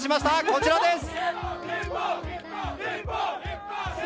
こちらです。